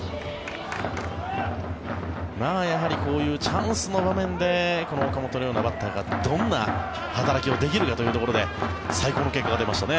やはりこういうチャンスの場面でこの岡本のようなバッターがどんな働きができるのかというところで最高の結果が出ましたね